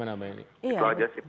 bagaimana mbak eli